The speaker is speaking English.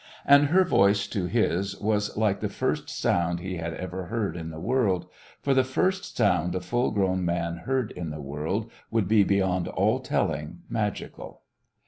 And her voice to his was like the first sound he had ever heard in the world, for the first sound a full grown man heard in the world would be beyond all telling magical.